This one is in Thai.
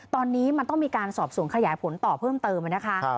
ตอนนี้มันต้องมีการสอบสวนขยายผลต่อเพิ่มเติมนะคะ